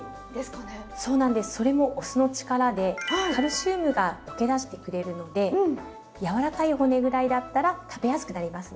カルシウムが溶け出してくれるのでやわらかい骨ぐらいだったら食べやすくなりますね。